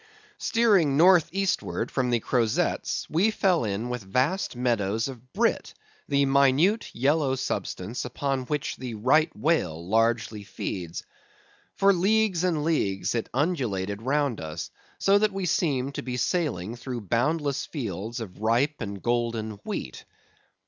Steering north eastward from the Crozetts, we fell in with vast meadows of brit, the minute, yellow substance, upon which the Right Whale largely feeds. For leagues and leagues it undulated round us, so that we seemed to be sailing through boundless fields of ripe and golden wheat.